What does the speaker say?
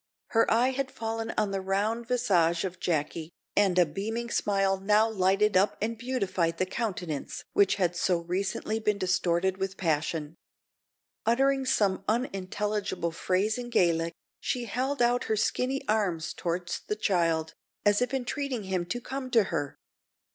Her eye had fallen on the round visage of Jacky, and a beaming smile now lighted up and beautified the countenance which had so recently been distorted with passion. Uttering some unintelligible phrase in Gaelic, she held out her skinny arms towards the child, as if entreating him to come to her.